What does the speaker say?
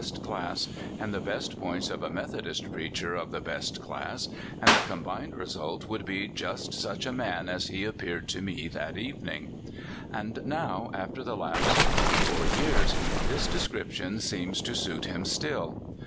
st class, and the best points of a Methodist preacher of the best clasB, and the combined result would hi just sucli a man as he appeared to me that evening. And now, after the lapse of twenty four years, this d 'iscrij^tion seems to suit him still.